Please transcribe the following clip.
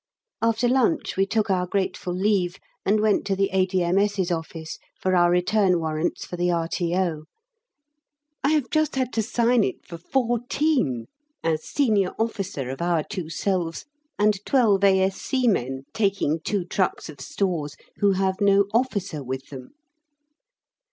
After lunch, we took our grateful leave and went to the A.D.M.S.'s office for our return warrants for the R.T.O. (I have just had to sign it for fourteen, as senior officer of our two selves and twelve A.S.C. men taking two trucks of stores, who have no officer with them!)